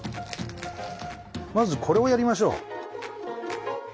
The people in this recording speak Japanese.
まずこれをやりましょう。